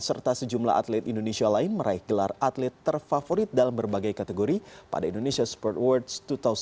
serta sejumlah atlet indonesia lain meraih gelar atlet terfavorit dalam berbagai kategori pada indonesia sport awards dua ribu sembilan belas